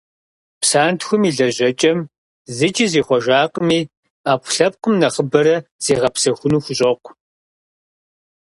Псантхуэм и лэжьэкӀэм зыкӀи зихъуэжакъыми, Ӏэпкълъэпкъым нэхъыбэрэ зригъэгъэпсэхуну хущӀокъу.